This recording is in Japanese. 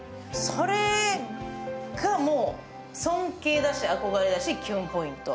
それがもう尊敬だし、憧れだし、キュンポイント。